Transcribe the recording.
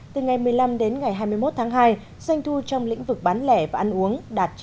từ ngày một mươi năm đến ngày hai mươi một tháng hai doanh thu trong lĩnh vực bán lẻ và ăn uống